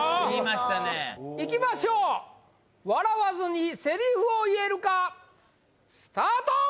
言いましたねいきましょう笑わずにセリフを言えるかスタート！